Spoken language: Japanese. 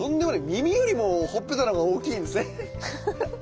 耳よりもほっぺたのほうが大きいんですね。